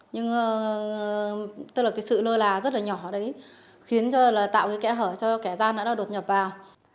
nhưng tức là cái sự lơ là rất là nhỏ đấy khiến cho là tạo cái kẽ hở cho kẻ gian đã đột nhập vào